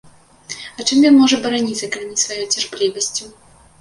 А чым ён можа бараніцца, калі не сваёю цярплівасцю.